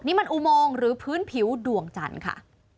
นี่มันอุโมงหรือพื้นผิวดวงจันทร์ค่ะ